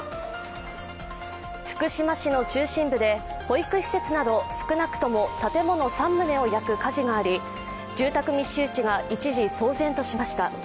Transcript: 福島市の中心部で保育施設など少なくとも建物３棟を焼く火事があり住宅密集地が一時騒然としました。